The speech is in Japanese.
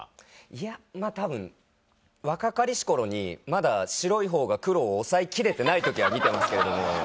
いやまぁたぶん若かりし頃にまだ白いほうが黒を抑えきれてない時は見てますけれども。